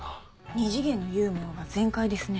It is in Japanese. ２次元のユーモアが全開ですね。